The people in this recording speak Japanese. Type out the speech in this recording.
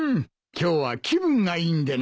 今日は気分がいいんでな。